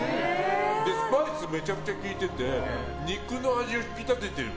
スパイスめちゃくちゃ効いてて肉の味を引き立ててる。